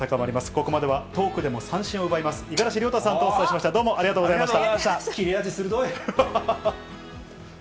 ここまではトークでも三振を奪います、五十嵐亮太さんとお伝えしました、どうもありがとうございました。